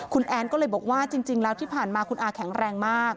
คุณแอนก็เลยบอกว่าจริงแล้วที่ผ่านมาคุณอาแข็งแรงมาก